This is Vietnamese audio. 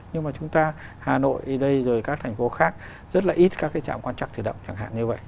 nhưng mà chúng ta hà nội đây rồi các thành phố khác rất là ít các cái trạm quan trắc tự động chẳng hạn như vậy